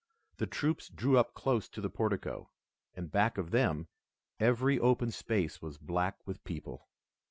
The troops drew up close to the portico, and back of them, every open space was black with people.